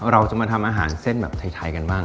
เราจะมาทำอาหารเส้นแบบไทยกันบ้าง